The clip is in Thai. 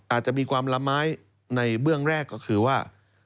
อาจจะมีความละไม้ในเบื้องแรกก็คือว่า